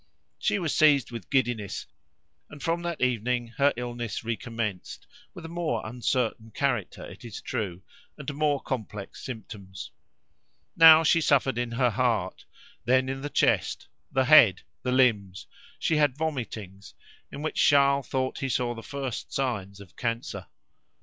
She was seized with giddiness, and from that evening her illness recommenced, with a more uncertain character, it is true, and more complex symptoms. Now she suffered in her heart, then in the chest, the head, the limbs; she had vomitings, in which Charles thought he saw the first signs of cancer.